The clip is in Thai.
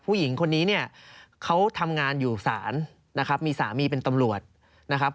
ผู้หญิงคนนี้เนี่ยเขาทำงานอยู่ศาลนะครับมีสามีเป็นตำรวจนะครับ